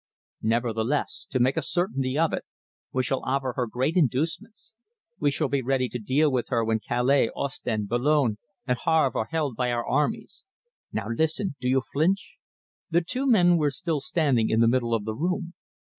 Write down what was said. Nevertheless, to make a certainty of it, we shall offer her great inducements. We shall be ready to deal with her when Calais, Ostend, Boulogne, and Havre are held by our armies. Now listen, do you flinch?" The two men were still standing in the middle of the room.